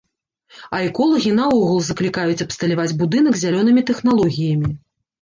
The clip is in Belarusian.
А эколагі наогул заклікаюць абсталяваць будынак зялёнымі тэхналогіямі.